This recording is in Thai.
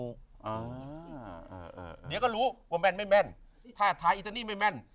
อ่าเนี้ยก็รู้ว่าแม่นไม่แม่นถ้าแท้อีทะนีไม่แม่น